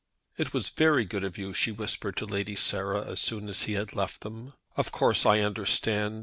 "It was very good of you," she whispered to Lady Sarah, as soon as he had left them. "Of course I understand.